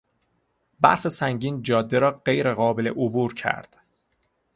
برف سنگین جاده را غیر قابل عبور کرد.